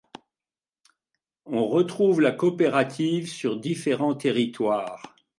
On retrouve la coopérative sur différents territoires.